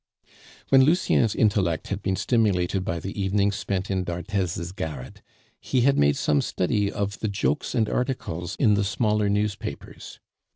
When Lucien's intellect had been stimulated by the evenings spent in d'Arthez's garret, he had made some study of the jokes and articles in the smaller newspapers.